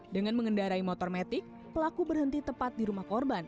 dengan mengendarai motor metik pelaku berhenti tepat di rumah korban